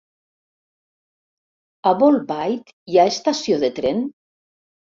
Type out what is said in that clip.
A Bolbait hi ha estació de tren?